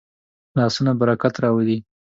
لاسونه برکت راولي